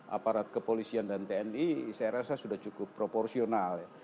aparat kepolisian dan tni saya rasa sudah cukup proporsional ya